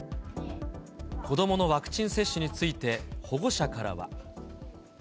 子どものワクチン接種について、保護者からは。